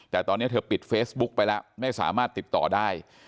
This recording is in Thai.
แต่ตอนนี้เธอปิดเฟซบุ๊กไปแล้วไม่สามารถติดต่อได้